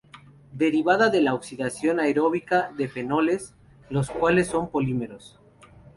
Derivada de la oxidación aeróbica de fenoles, los cuales son polímeros.